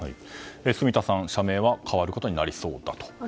住田さん、社名は変わることになりそうだと。